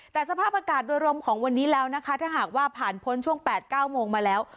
แต่สภาพอากาศโดยรวมของวันนี้แล้วนะคะถ้าหากว่าผ่านพ้นช่วง๘๙โมงมาแล้ว